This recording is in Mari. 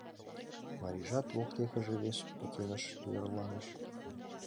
Марийжат воктекыже вес пӱкеныш верланыш.